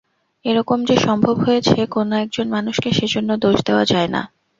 এরকম যে সম্ভব হয়েছে কোনো একজন মানুষকে সেজন্য দোষ দেওয়া যায় না।